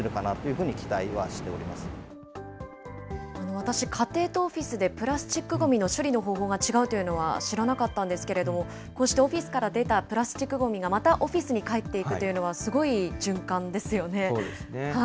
私、家庭とオフィスでプラスチックごみの処理の方法が違うというのは知らなかったんですけれども、こうしてオフィスから出たプラスチックごみが、またオフィスに帰っていくというのはすごい循環ですそうですね。